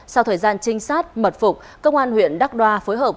sau thời gian trinh sát mật phục công an huyện đắk đoa phối hợp